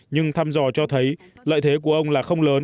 nhưng thăm dò cho thấy lợi thế của ông là không lớn